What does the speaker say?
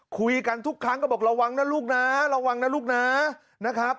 คุยกันทุกครั้งก็บอกระวังนะลูกนะระวังนะลูกนะนะครับ